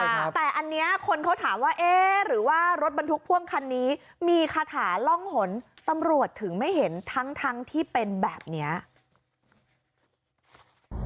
แต่อันนี้คนเขาถามว่าเอ๊ะหรือว่ารถบรรทุกพ่วงคันนี้มีคาถาล่องหนตำรวจถึงไม่เห็นทั้งที่เป็นแบบเนี้ย